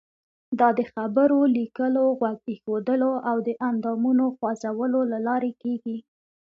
دا د خبرو، لیکلو، غوږ ایښودلو او د اندامونو خوځولو له لارې کیږي.